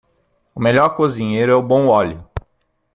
O melhor cozinheiro é o bom óleo.